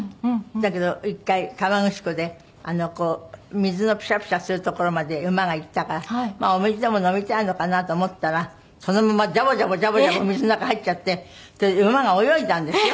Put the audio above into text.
だけど１回河口湖でこう水のピシャピシャする所まで馬が行ったからお水でも飲みたいのかなと思ったらそのままジャボジャボジャボジャボ水の中へ入っちゃって馬が泳いだんですよ。